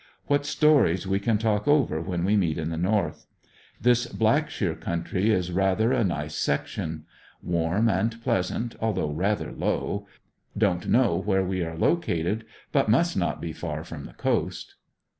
What stories we can talk over when we meet at the North. This Blackshear country is rather a nice section. Warm and pleas ant, although rather low. Don't know where we r.re located, but must be not far from the coast.